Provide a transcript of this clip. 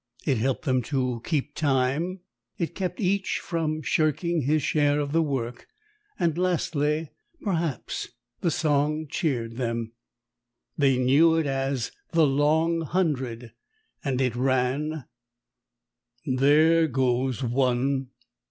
It helped them to keep time; it kept each from shirking his share of the work; and lastly, perhaps, the song cheered them. They knew it as "The Long Hundred," and it ran "There goes one.